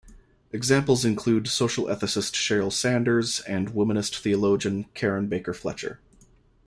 Examples include social ethicist Cheryl Sanders and womanist theologian Karen Baker-Fletcher.